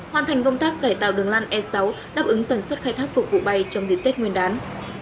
hoàn thành công tác cải tạo đường lan e sáu đáp ứng tần suất khai thác phục vụ bay trong dịp tết nguyên đán